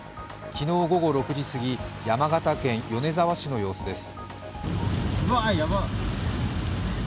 昨日午後６時すぎ、山形県米沢市の様子です。